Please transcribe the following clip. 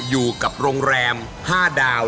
อยู่กับโรงแรม๕ดาว